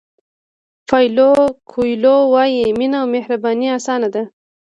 پایلو کویلو وایي مینه او مهرباني اسانه ده.